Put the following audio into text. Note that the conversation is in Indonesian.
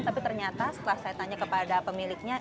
tapi ternyata setelah saya tanya kepada pemiliknya